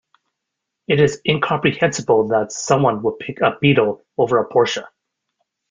It is incomprehensible that someone would pick a Beetle over a Porsche.